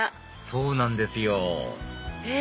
そうなんですよえ